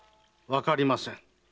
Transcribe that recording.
わかりません。